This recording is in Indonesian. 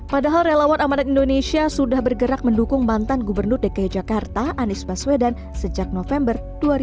padahal relawan amanat indonesia sudah bergerak mendukung mantan gubernur dki jakarta anies baswedan sejak november dua ribu dua puluh